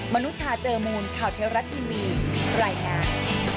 นุชาเจอมูลข่าวเทวรัฐทีวีรายงาน